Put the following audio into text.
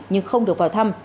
nhưng không được vào thăm